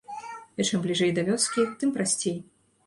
І чым бліжэй да вёскі, тым прасцей.